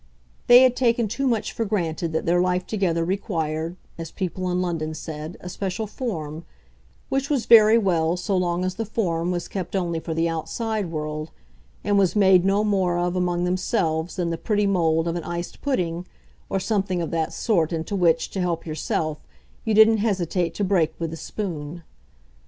They had taken too much for granted that their life together required, as people in London said, a special "form" which was very well so long as the form was kept only for the outside world and was made no more of among themselves than the pretty mould of an iced pudding, or something of that sort, into which, to help yourself, you didn't hesitate to break with the spoon.